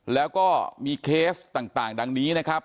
แล้วก็มีเคสต่างดังนี้นะครับ